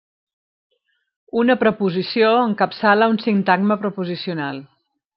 Una preposició encapçala un sintagma preposicional.